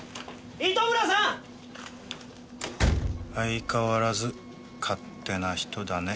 相変わらず勝手な人だね。